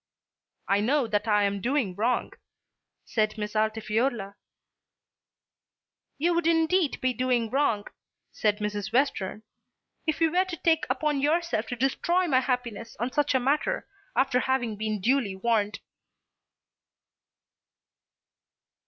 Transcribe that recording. "I know that I am doing wrong," said Miss Altifiorla. "You would indeed be doing wrong," said Mrs. Western, "if you were to take upon yourself to destroy my happiness on such a matter after having been duly warned."